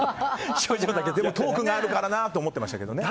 でもトークがあるからなと思ってましたけどね。